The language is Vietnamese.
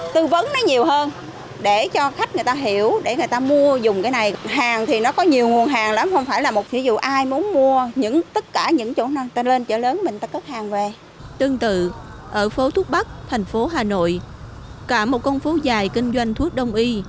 tương tự ở phố thuốc bắc tp hcm cả một con phố dài kinh doanh thuốc đông y